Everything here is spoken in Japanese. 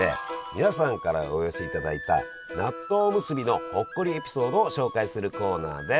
皆さんからお寄せいただいた納豆おむすびのほっこりエピソードを紹介するコーナーです！